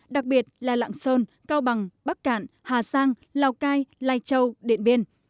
đặc biệt là lạng sơn cao bằng bắc cạn hà sang lào cai lai châu điện biên